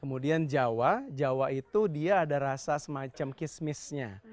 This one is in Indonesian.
kemudian jawa jawa itu dia ada rasa semacam kismisnya